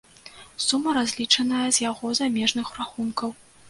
Сума разлічаная з яго замежных рахункаў.